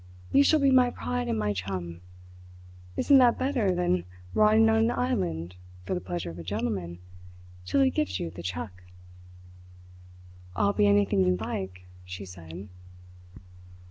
You shall be my pride and my chum. Isn't that better than rotting on an island for the pleasure of a gentleman, till he gives you the chuck?" "I'll be anything you like," she said.